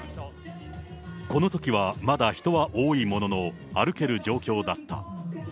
このときはまだ人は多いものの、歩ける状況だった。